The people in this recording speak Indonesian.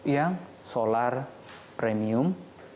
yang solar premium